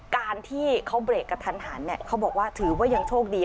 การที่เขาเบรกกระทันหันเขาบอกว่าถือว่ายังโชคดี